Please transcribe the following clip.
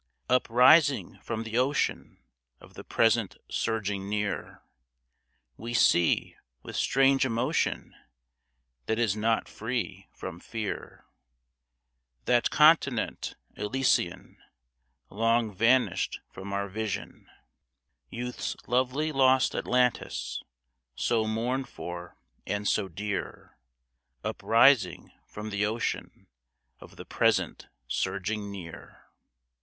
Uprising from the ocean of the present surging near, We see, with strange emotion, that is not free from fear, That continent Elysian Long vanished from our vision, Youth's lovely lost Atlantis, so mourned for and so dear, Uprising from the ocean of the present surging near.